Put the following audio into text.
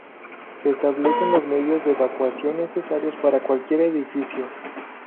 Se establecen los medios de evacuación necesarios para cualquier edificio.